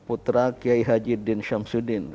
putra kiai haji din syamsuddin